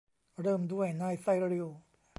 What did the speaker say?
เริ่มด้วยนายไซริล